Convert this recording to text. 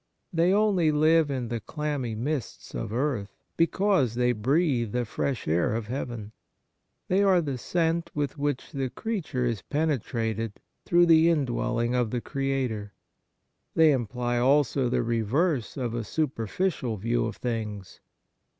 They only live in the clammy mists of earth because they breathe the fresh air of heaven. They are the scent with which the creature is penetrated through the indwelling of the Creator. They imply also the reverse of a super ficial view of things.